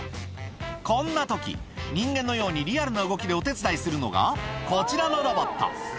こんなとき、人間のようにリアルな動きでお手伝いするのが、こちらのロボット。